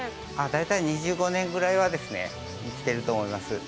大体２５年ぐらいは生きてると思います。